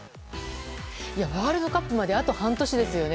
ワールドカップまであと半年ですよね。